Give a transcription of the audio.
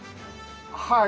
はい。